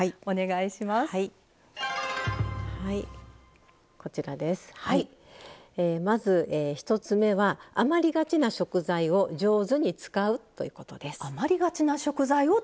まず１つ目は「余りがちな食材」を上手に使う！ということです。